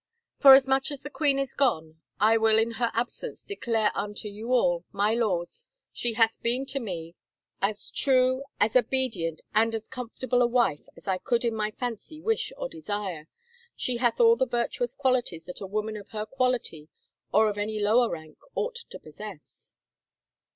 " Forasmuch as the queen is gone, I will in her absence declare unto you all, my lords, she hath been to me as 190 A TRAGIC FARCE truey as obedient and as conformable a wife as I could in my fancy wish or desire. She hath all the virtuous qualities that a woman of her quality, or of any lower rank, ought to possess